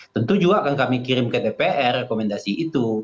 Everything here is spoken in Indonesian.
tentu juga akan kami kirim ke dpr rekomendasi itu